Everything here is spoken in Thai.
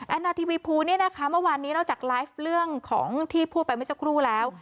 แอนนาทีวีพูเมื่อวานนี้นอกจากไลฟ์เรื่องของที่พูดไปไม่สักครู่แล้ว